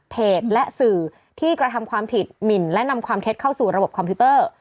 และสื่อที่กระทำความผิดหมินและนำความเท็จเข้าสู่ระบบคอมพิวเตอร์